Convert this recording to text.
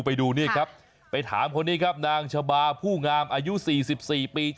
ไปดูนี่ครับไปถามคนนี้ครับนางชะบาผู้งามอายุ๔๔ปี